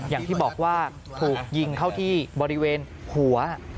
อย่างที่บอกว่าถูกยิงเข้าที่บริเวณหัว